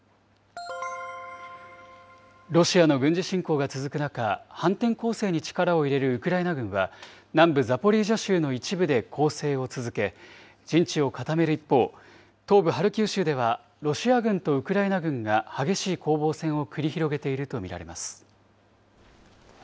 ロシアの軍事侵攻が続く中、反転攻勢に力を入れるウクライナ軍は、南部ザポリージャ州の一部で攻勢を続け、陣地を固める一方、東部ハルキウ州ではロシア軍とウクライナ軍が激しい攻防戦を繰り広げていると見られます。